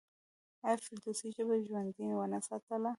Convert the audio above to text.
آیا فردوسي ژبه ژوندۍ ونه ساتله؟